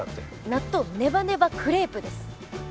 納豆ネバネバクレープです。